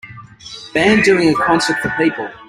band doing a concert for people